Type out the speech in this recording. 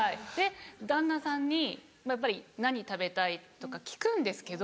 旦那さんに「何食べたい？」とか聞くんですけど